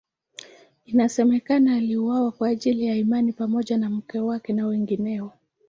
Inasemekana aliuawa kwa ajili ya imani pamoja na mke wake na wengineo.